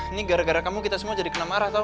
ini gara gara kamu kita semua jadi kena marah atau